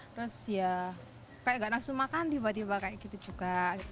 terus ya kayak gak nafsu makan tiba tiba kayak gitu juga